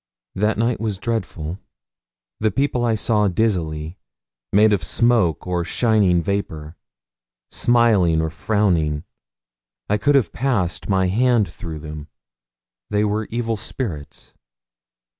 That night was dreadful. The people I saw dizzily, made of smoke or shining vapour, smiling or frowning, I could have passed my hand through them. They were evil spirits.